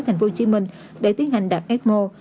tp hcm để tiến hành đặt ecmo